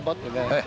はい。